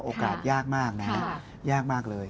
โอกาสยากมากนะฮะยากมากเลย